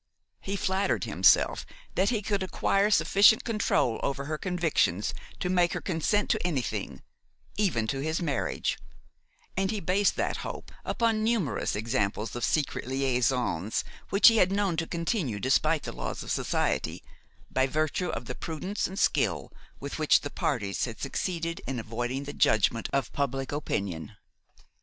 He flattered himself that he could acquire sufficient control over her convictions to make her consent to anything, even to his marriage; and he based that hope upon numerous examples of secret liaisons which he had known to continue despite the laws of society, by virtue of the prudence and skill with which the parties had succeeded in avoiding the judgment of public opinion.